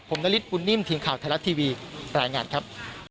ผมนฤทธิ์ปุ่นนิ่มทีมข่าวไทรลัททีวีปรายงานครับ